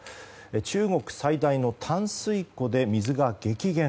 中国最大の淡水湖で水が激減。